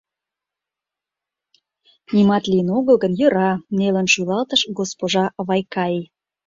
— Нимат лийын огыл гын, йӧра, — нелын шӱлалтыш госпожа Вайкаи.